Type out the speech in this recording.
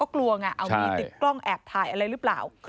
กลัวไงเอามีติดกล้องแอบถ่ายอะไรหรือเปล่า